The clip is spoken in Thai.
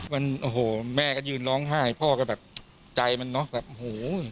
มันโอ้โหแม่ก็ยืนร้องไห้พ่อก็แบบใจมันเนอะแบบโอ้โห